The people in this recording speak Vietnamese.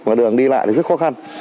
mà đường đi lại thì rất khó khăn